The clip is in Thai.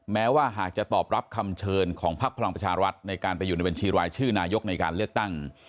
แม้ว่าหากจะตอบรับคำเชิญของพักพลังประชารัฐในการไปอยู่ในบัญชีรายชื่อนายกในการเลือกตั้ง